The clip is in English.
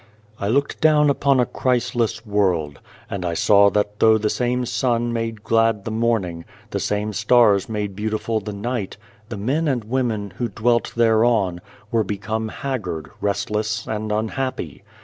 I looked down upon a Christless world, and I saw that though the same sun made glad the morning, the same stars made beautiful the night, the men and women, who dwelt thereon, were become haggard, restless and unhappy.